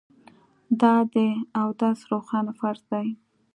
دا د اودس روښانه فرض دی